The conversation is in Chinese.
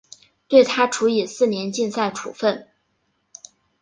对她处以四年禁赛处分。